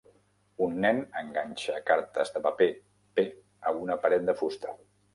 Un nen enganxa cartes de paper P a una paret de fusta.